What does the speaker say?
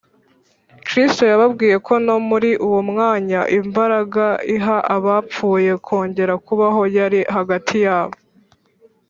Kristo yababwiye ko no muri uwo mwanya imbaraga iha abapfuye kongera kubaho yari hagati yabo